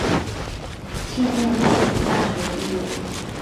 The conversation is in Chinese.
庆应义塾大学毕业。